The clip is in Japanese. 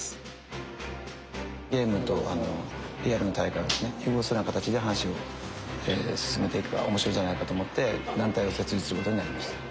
ゲームとリアルな大会をですね融合するような形で話を進めていけば面白いんじゃないかと思って団体を設立することになりました。